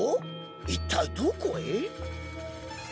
一体どこへ？